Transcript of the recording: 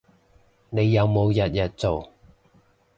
你有冇日日做